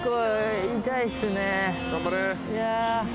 いや。